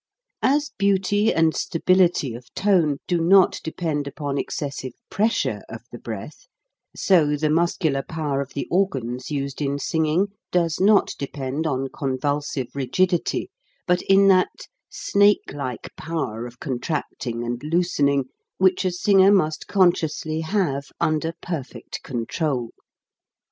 As beauty and stability of tone do not depend upon excessive pressure of the breath, so the muscular power of the organs used in singing does not depend on convulsive rigid ity, but in that snakelike power of contracting and loosening, 1 which a singer must consciously have under perfect control.